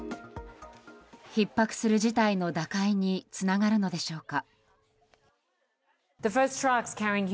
ひっ迫する事態の打開につながるのでしょうか。